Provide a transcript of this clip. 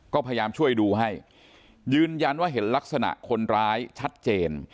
ก็พยายามช่วยดูให้ยืนยันว่าเห็นลักษณะคนร้ายชัดเจน